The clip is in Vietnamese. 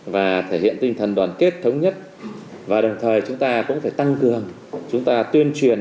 và thể hiện tinh thần đoàn kết thống nhất và đồng thời chúng ta cũng phải tăng cường chúng ta tuyên truyền